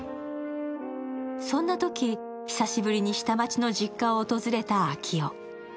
そんなとき、久しぶりに下町の実家を訪れた昭夫。